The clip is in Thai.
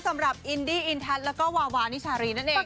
สำหรับอินดี้อินทัศน์แล้วก็วาวานิชารีนั่นเอง